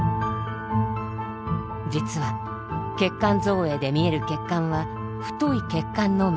実は血管造影で見える血管は太い血管のみ。